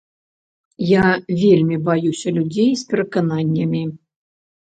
Я вельмі баюся людзей з перакананнямі.